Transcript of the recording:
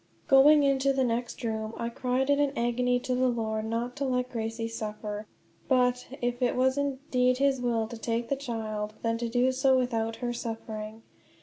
Going into the next room I cried in an agony to the Lord not to let Gracie suffer; but, if it was indeed his will to take the child, then to do so without her suffering.